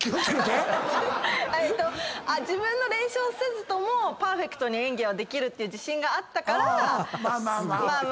自分の練習をせずともパーフェクトに演技はできるっていう自信があったからまあまあ。